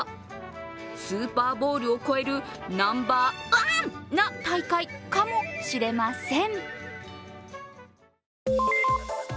スーパーボウルを超えるナンバーワンの大会かもしれません。